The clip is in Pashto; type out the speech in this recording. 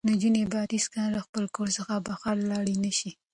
نجونې باید هېڅکله له خپل کور څخه بهر لاړې نه شي.